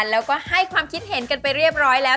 แล้วก็ให้ความคิดเห็นกันไปเรียบร้อยแล้ว